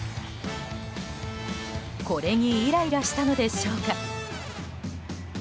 これにイライラしたのでしょうか。